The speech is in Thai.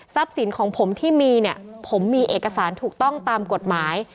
สินของผมที่มีเนี่ยผมมีเอกสารถูกต้องตามกฎหมาย